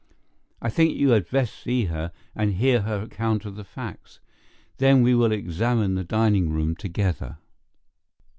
I think you had best see her and hear her account of the facts. Then we will examine the dining room together."